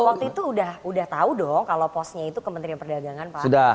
waktu itu udah tahu dong kalau posnya itu kementerian perdagangan pak